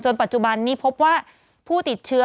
ปัจจุบันนี้พบว่าผู้ติดเชื้อ